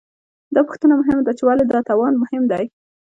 دا پوښتنه مهمه ده، چې ولې دا توان مهم دی؟